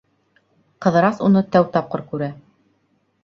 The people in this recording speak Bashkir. Ҡыҙырас уны тәү тапҡыр күрә.